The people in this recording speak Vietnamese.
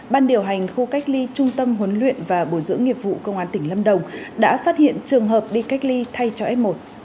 ban điều hành khu cách ly trung tâm huấn luyện và bồi dưỡng nghiệp vụ công an tỉnh lâm đồng đã phát hiện trường hợp đi cách ly thay cho f một